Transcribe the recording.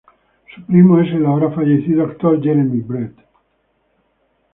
Su primo es el ahora fallecido actor Jeremy Brett.